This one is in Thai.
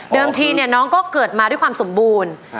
ทีเนี่ยน้องก็เกิดมาด้วยความสมบูรณ์